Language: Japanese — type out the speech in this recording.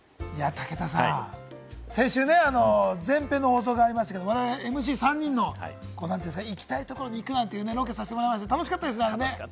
武田さん、先週ね、前編の放送がありましたけれども、我々、ＭＣ３人の行きたいところに行くなんていうロケをさせてもらって楽しかったですね。